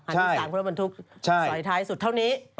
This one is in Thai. คันที่สามคือมันทุกสอยท้ายสุดเท่านี้